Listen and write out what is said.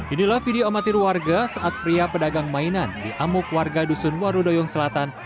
inilah video amatir warga saat pria pedagang mainan di amuk warga dusun warudoyong selatan